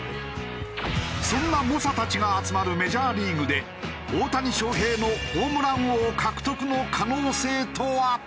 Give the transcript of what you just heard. そんな猛者たちが集まるメジャーリーグで大谷翔平のホームラン王獲得の可能性とは？